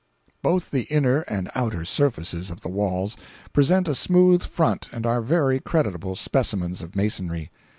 Both the inner and outer surfaces of the walls present a smooth front and are very creditable specimens of masonry.